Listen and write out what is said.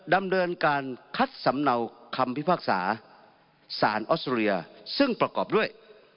ดำเนินการคัดสำเนาคำพิพากษาสารออสเตรเลียซึ่งประกอบด้วย